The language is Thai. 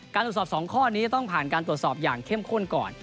ตรวจสอบ๒ข้อนี้จะต้องผ่านการตรวจสอบอย่างเข้มข้นก่อน